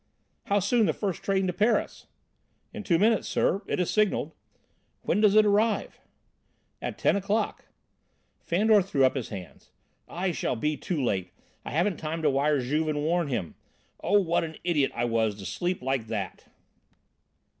"How soon the first train to Paris?" "In two minutes, sir: it is signalled." "When does it arrive?" "At ten o'clock." Fandor threw up his hands. "I shall be too late. I haven't time to wire Juve and warn him. Oh! what an idiot I was to sleep like that!"